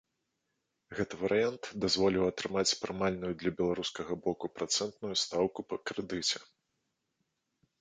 Гэты варыянт дазволіў атрымаць прымальную для беларускага боку працэнтную стаўку па крэдыце.